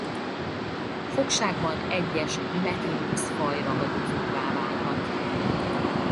Fogságban egyes Metynnis-faj ragadozóvá válhat.